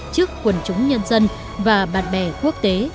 trước quần chúng nhân dân và bạn bè quốc tế